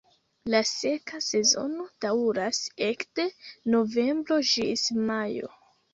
La seka sezono daŭras ekde novembro ĝis majo.